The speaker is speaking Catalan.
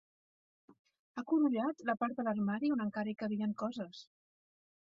Ha curullat la part de l'armari on encara hi cabien coses.